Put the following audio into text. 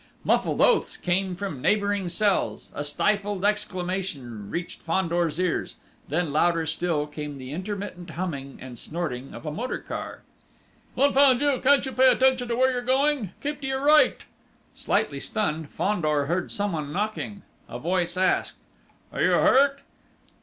Muffled oaths came from neighbouring cells; a stifled exclamation reached Fandor's ears; then louder still, came the intermittent humming and snorting of a motor car. "Confound you!... can't you pay attention to where you are going?... Keep to your right!" Slightly stunned, Fandor heard some one knocking. A voice asked: "Are you hurt?"